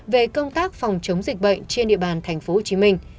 về công tác phòng chống dịch bệnh trên địa bàn tp hcm